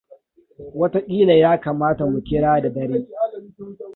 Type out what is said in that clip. Watakila ya kamata mu kira da dare.